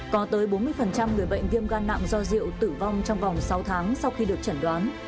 có tới bốn mươi người bệnh viêm gan nặng do rượu tử vong trong vòng sáu tháng sau khi được chẩn đoán